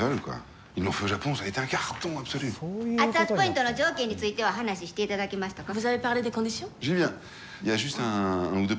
熱々ポイントの条件については話していただきましたか？